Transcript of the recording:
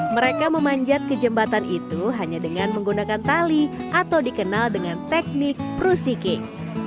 mereka memanjat ke jembatan itu hanya dengan menggunakan tali atau dikenal dengan teknik prusiking